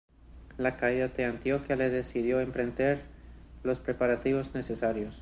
La caída de Antioquía le decidió a emprender los preparativos necesarios.